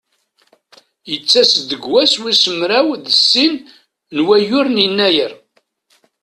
Yettas-d deg wass wis mraw d sin n wayyur n Yennayer.